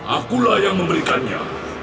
akulah yang memberikannya